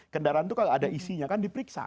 kendaraan itu kalau ada isinya kan diperiksa